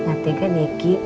nanti kan neki